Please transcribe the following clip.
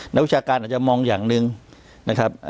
นักวิชาการอาจจะมองอย่างหนึ่งนะครับ